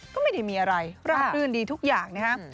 ก็ไม่ได้มีอะไรราบรื่นดีทุกอย่างนะครับ